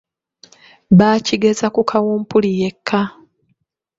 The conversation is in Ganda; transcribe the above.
Baakigeza ku Kawumpuli yekka.